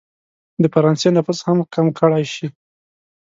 د فرانسې نفوذ هم کم کړه شي.